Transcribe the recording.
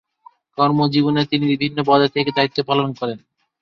কর্মজীবনে তিনি বিভিন্ন পদে থেকে দায়িত্ব পালন করেন।